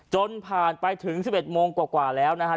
จนผ่านไปถึง๑๑โมงกว่าแล้วนะฮะ